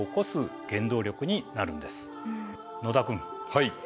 はい。